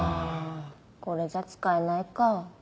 これじゃ使えないか。